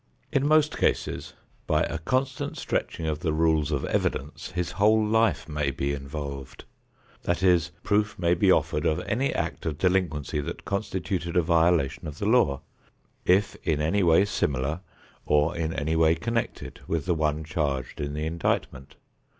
In most cases by a constant stretching of the rules of evidence his whole life may be involved. That is, proof may be offered of any act of delinquency that constituted a violation of the law, if in any way similar, or in any way connected with the one charged in the indictment.